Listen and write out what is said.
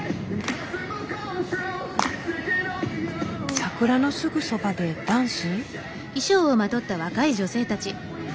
桜のすぐそばでダンス？